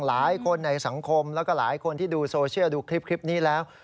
หลายคนในสังคมแล้วก็หลายคนที่ดูโซเชียลดูคลิปนี้แล้ว